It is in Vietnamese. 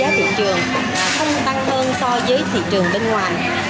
không tăng hơn so với thị trường bên ngoài